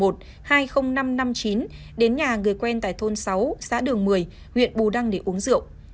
đến nhà người quen tại thôn sáu xã đường một mươi huyện bù đăng để uống rượu